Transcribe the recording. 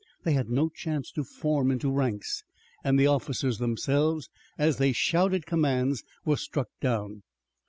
They had no chance to form into ranks, and the officers themselves, as they shouted commands, were struck down.